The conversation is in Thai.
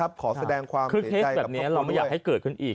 ขอแสดงความเหตุใจกับคุณด้วยคือเคสแบบนี้เราไม่อยากให้เกิดขึ้นอีก